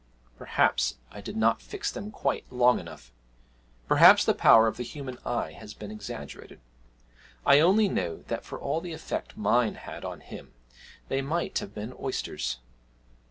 Perhaps I did not fix them quite long enough; perhaps the power of the human eye has been exaggerated: I only know that for all the effect mine had on him they might have been oysters.